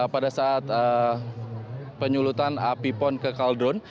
pada saat penyulutan api pon ke kaldron